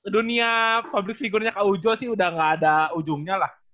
dunia public figure nya kak ujo sih udah gak ada ujungnya lah